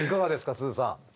すずさん。